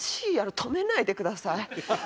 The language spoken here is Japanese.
止めないでください。